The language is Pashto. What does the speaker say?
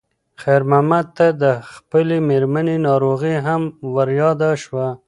خیر محمد ته د خپلې مېرمنې ناروغي هم ور یاده شوه.